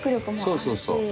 そうそうそう。